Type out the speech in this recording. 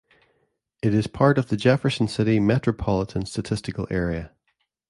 It is part of the Jefferson City Metropolitan Statistical Area.